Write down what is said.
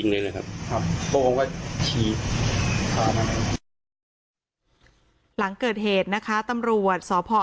เขามากี่คนครับ